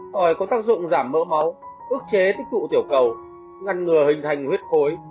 tỏi có tác dụng giảm mỡ máu ước chế tích cụ tiểu cầu ngăn ngừa hình thành huyết khối